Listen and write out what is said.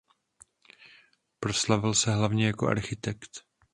Proslavil se hlavně jako architekt.